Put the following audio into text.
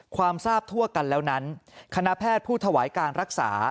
ทราบทั่วกันแล้วนั้นคณะแพทย์ผู้ถวายการรักษา